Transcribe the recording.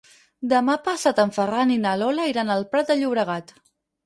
Demà passat en Ferran i na Lola iran al Prat de Llobregat.